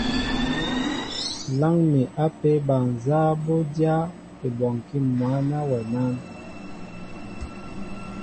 Láŋ mi apē bal nzá bɔ́ dyáá ebɔnkí mwǎ ná wɛ nán?